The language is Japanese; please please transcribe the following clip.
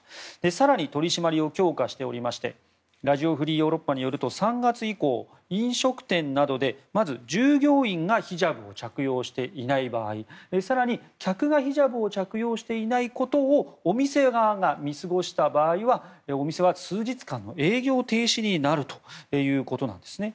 更に取り締まりを強化しておりましてラジオ・フリー・ヨーロッパによると３月以降、飲食店などでまず従業員がヒジャブを着用していない場合や更に、客がヒジャブを着用していないことをお店側が見過ごした場合はお店は数日間の営業停止になるということです。